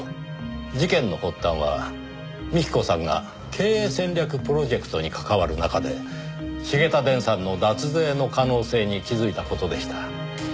事件の発端は幹子さんが経営戦略プロジェクトに関わる中で繁田電産の脱税の可能性に気づいた事でした。